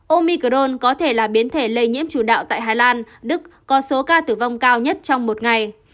omicrone có thể là biến thể lây nhiễm chủ đạo tại hà lan đức có số ca tử vong cao nhất trong một ngày